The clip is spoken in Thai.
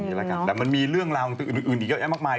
นี่แหละครับแต่มันมีเรื่องราวอื่นอีกเยอะแยะมากมาย